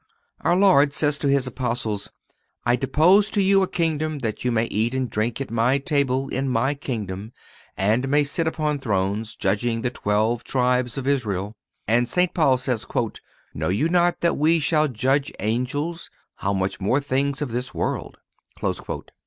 Our Lord says to His Apostles: "I dispose to you a kingdom, that you may eat and drink at My table in My kingdom and may sit upon thrones, judging the twelve tribes of Israel."(268) And St. Paul says: "Know you not that we shall judge angels, how much more things of this world?"